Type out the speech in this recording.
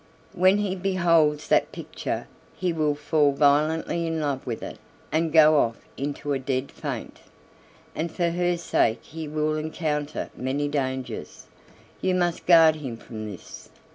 When he beholds that picture he will fall violently in love with it and go off into a dead faint, and for her sake he will encounter many dangers; you must guard him from this."